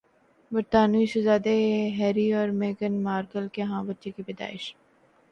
برطانوی شہزادے ہیری اور میگھن مارکل کے ہاں بچے کی پیدائش